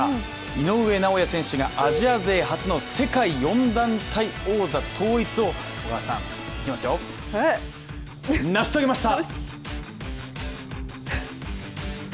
井上尚弥選手が、アジア勢初の世界４団体王座統一を小川さん、行きますよ、成し遂げました！